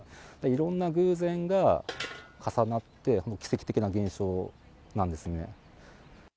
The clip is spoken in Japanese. いろんな偶然が重なって、奇跡的な現象なんですね。